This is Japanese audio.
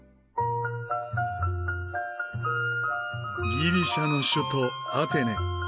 ギリシャの首都アテネ。